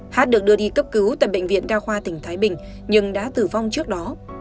hát được đưa đi cấp cứu tại bệnh viện đa khoa tỉnh thái bình nhưng đã tử vong trước đó